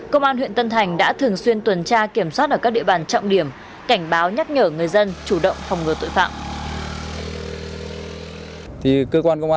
công an huyện tân thành đã thường xuyên tuần tra kiểm soát ở các địa bàn trọng điểm cảnh báo nhắc nhở người dân chủ động phòng ngừa tội phạm